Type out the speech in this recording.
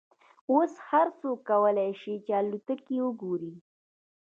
اوس هر څوک کولای شي الوتکې وګوري.